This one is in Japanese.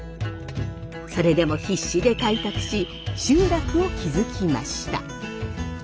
それでも必死で開拓し集落を築きました。